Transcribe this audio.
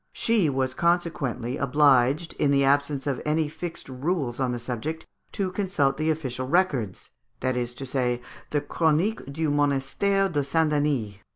She was consequently obliged, in the absence of any fixed rules on the subject, to consult the official records, that is to say, the "Chronique du Monastère de Saint Denis."